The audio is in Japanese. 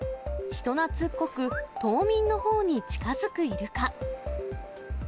人なつっこく、島民のほうに近づくイルカ。